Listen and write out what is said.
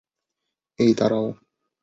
এই, দাঁড়াও।